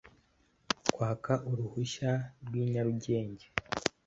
Kwaka uruhushya rw'i Nyarugenge